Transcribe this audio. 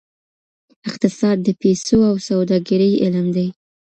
اقتصاد د پیسو او سوداګرۍ علم دی.